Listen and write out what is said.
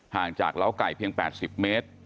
ห่างจากเล้าไก่เพียง๘๐เมตร